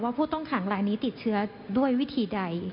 ผู้ต้องขังรายนี้ติดเชื้อด้วยวิธีใด